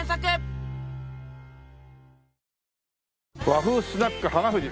和風スナック花藤。